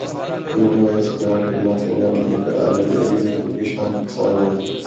corona virus کے دوران خدمات سرانجام دینے پر علی ظفر کیلئے شان پاکستان ایوارڈ